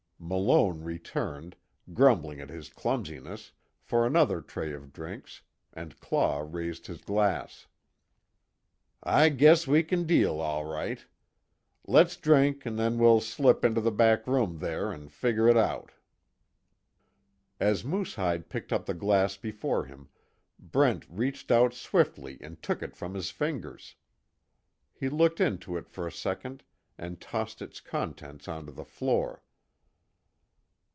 Malone returned, grumbling at his clumsiness, for another tray of drinks, and Claw raised his glass. "I guess we kin deal, all right. Le's drink, an' then we'll slip into the back room there an' figger it out." As Moosehide picked up the glass before him, Brent reached out swiftly and took it from his fingers. He looked into it for a second and tossed its contents onto the floor.